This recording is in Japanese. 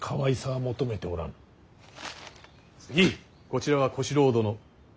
こちらは小四郎殿。